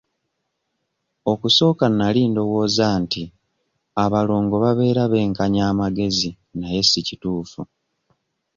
Okusooka nali ndowooza nti abalongo babeera benkanya amagezi naye si kituufu.